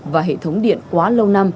và hệ thống điện quá lớn